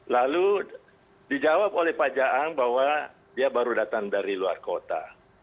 lalu dijawab oleh pak jaang bahwa dia baru datang dari luar kota